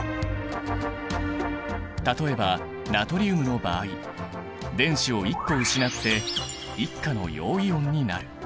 例えばナトリウムの場合電子を１個失って１価の陽イオンになる。